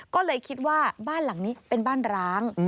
ก็เลยคิดว่าบ้านหลังนี้เป็นบ้านร้าง